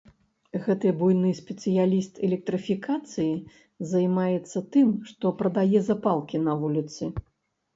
Гэты буйны спецыяліст электрыфікацыі займаецца тым, што прадае запалкі на вуліцы.